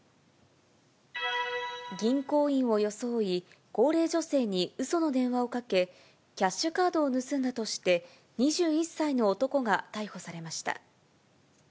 銀行員を装い、高齢女性にうその電話をかけ、キャッシュカードを盗んだとして、２１歳の男が逮捕されました。